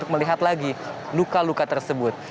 bagi luka luka tersebut